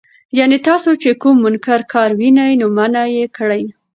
يعني تاسو چې کوم منکر کار ووينئ، نو منعه يې کړئ.